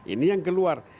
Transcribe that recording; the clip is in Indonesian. ini yang keluar